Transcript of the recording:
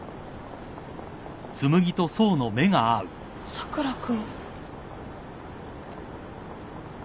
佐倉君。